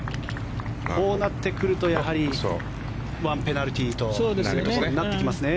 こうなってくるとやはり１ペナルティーとなってきますね。